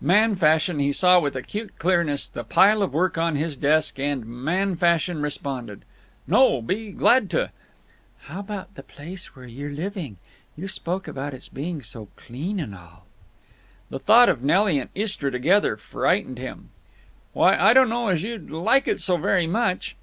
Man fashion, he saw with acute clearness the pile of work on his desk, and, man fashion, responded, "No; be glad tuh." "How about the place where you're living? You spoke about its being so clean and all." The thought of Nelly and Istra together frightened him. "Why, I don't know as you'd like it so very much."